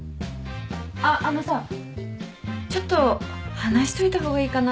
あっあのさちょっと話しといた方がいいかなって思うことが。